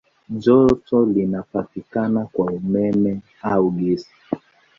Joto linapatikana kwa umeme au gesi.